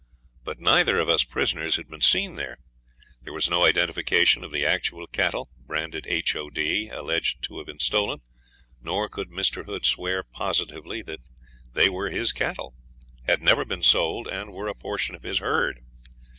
But neither of us prisoners had been seen there. There was no identification of the actual cattle, branded 'HOD', alleged to have been stolen, nor could Mr. Hood swear positively that they were his cattle, had never been sold, and were a portion of his herd.